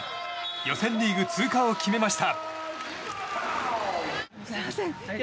予選リーグ通過を決めました。